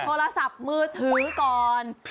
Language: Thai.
โทรศัพท์มือถือก่อน